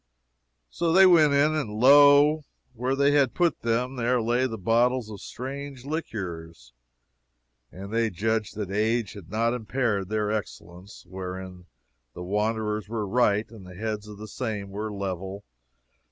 So they went in, and lo, where they had put them, there lay the bottles of strange liquors, and they judged that age had not impaired their excellence. Wherein the wanderers were right, and the heads of the same were level.